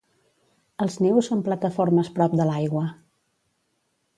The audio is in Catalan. Els nius són plataformes prop de l'aigua.